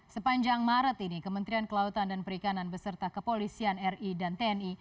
sepanjang maret ini kementerian kelautan dan perikanan beserta kepolisian ri dan tni